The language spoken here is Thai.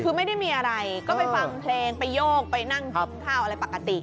คือไม่ได้มีอะไรก็ไปฟังเพลงไปโยกไปนั่งกินข้าวอะไรปกติ